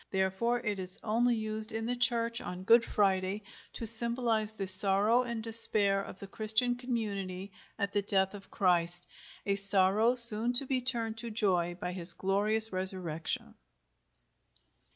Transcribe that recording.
Therefore it is only used in the Church on Good Friday, to symbolize the sorrow and despair of the Christian community at the death of Christ, a sorrow soon to be turned to joy by His glorious resurrection.